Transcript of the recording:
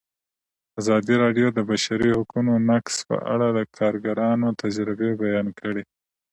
ازادي راډیو د د بشري حقونو نقض په اړه د کارګرانو تجربې بیان کړي.